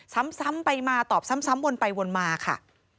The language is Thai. ซ้ำไปมาตอบซ้ำวนไปวนมาค่ะ